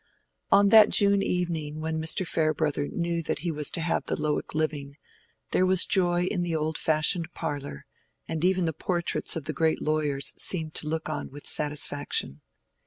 On that June evening when Mr. Farebrother knew that he was to have the Lowick living, there was joy in the old fashioned parlor, and even the portraits of the great lawyers seemed to look on with satisfaction.